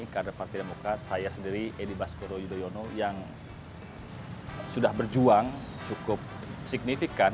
kader partai demokrat saya sendiri edi baskoro yudhoyono yang sudah berjuang cukup signifikan